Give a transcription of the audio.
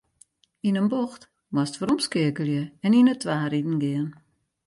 Yn in bocht moatst weromskeakelje en yn de twa riden gean.